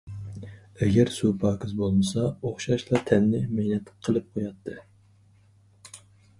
ئەگەر سۇ پاكىز بولمىسا ئوخشاشلا تەننى مەينەت قىلىپ قوياتتى.